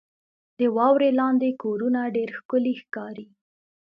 • د واورې لاندې کورونه ډېر ښکلي ښکاري.